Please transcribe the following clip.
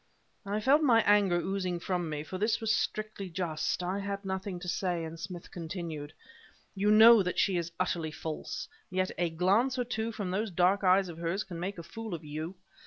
I felt my anger oozing from me; for this was strictly just. I had nothing to say, and Smith continued: "You know that she is utterly false, yet a glance or two from those dark eyes of hers can make a fool of you!